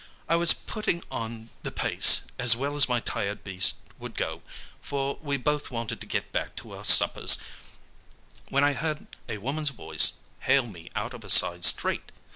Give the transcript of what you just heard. I was putting on the pace as well as my tired beast would go, for we both wanted to get back to our suppers, when I heard a woman's voice hail me out of a side street.